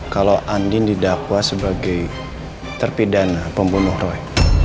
kalau andin didakwa sebagai terpidana pembunuh roy